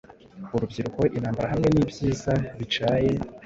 Urubyiruko-intambara hamwe nibyiza bicaye